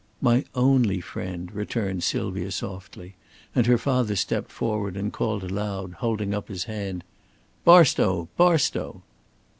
"My only friend," returned Sylvia, softly; and her father stepped forward and called aloud, holding up his hand: "Barstow! Barstow!"